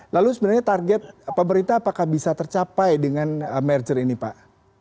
lalu sebenarnya target pemerintah apakah bisa tercapai dengan merger ini pak